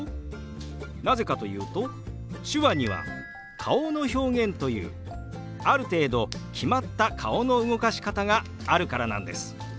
なぜかというと手話には顔の表現というある程度決まった顔の動かし方があるからなんです。